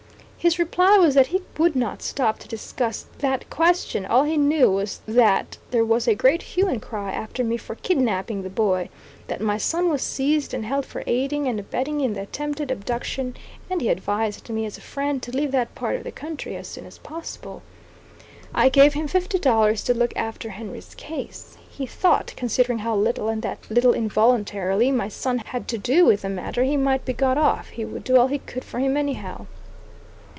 His reply was that he would not stop to discuss that question; all he knew was that there was a great hue and cry after me for kidnapping the boy; that my son was seized and held for aiding and abetting in the attempted abduction; and he advised me, as a friend, to leave that part of the country as soon as possible. I gave him fifty dollars to look after Henry's case. He thought, considering how little, and that little involuntarily, my son had to do with the matter, he might be got off; he would do all he could for him anyhow.